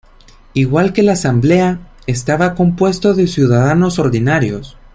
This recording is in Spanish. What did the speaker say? Igual que la Asamblea, estaba compuesto de ciudadanos ordinarios.